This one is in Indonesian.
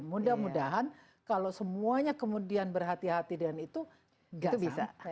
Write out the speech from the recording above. mudah mudahan kalau semuanya kemudian berhati hati dengan itu gak bisa